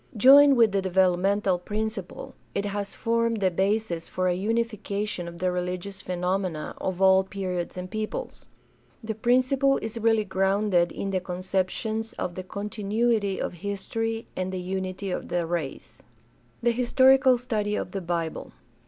Joined with the developmental principle, it has formed the basis for a unification of the religious phenomena of all periods and peoples. The principle is really grounded in the conceptions of the continuity of history and of the unity of the race. The historical study of the Bible.